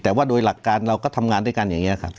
แต่ว่าโดยหลักการเราก็ทำงานด้วยกันอย่างนี้ครับ